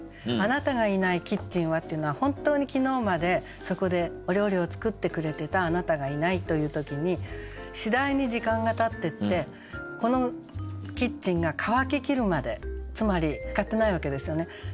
「あなたが居ないキッチンは」っていうのは本当に昨日までそこでお料理を作ってくれてた「あなた」がいないという時に次第に時間がたってってこのキッチンが乾き切るまでつまり使ってないわけですよね。